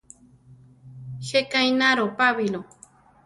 Jéka ináro Pabilo.